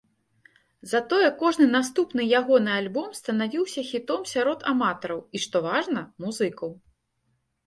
Затое кожны наступны ягоны альбом станавіўся хітом сярод аматараў, і што важна, музыкаў.